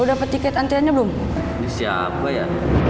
udah petiket antreanya belum siapa ya